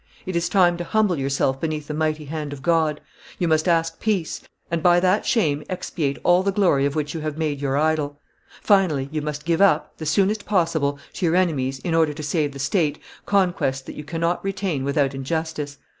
It is time to humble yourself beneath the mighty hand of God; you must ask peace, and by that shame expiate all the glory of which you have made your idol; finally you must give up, the soonest possible, to your enemies, in order to save the state, conquests that you cannot retain without injustice.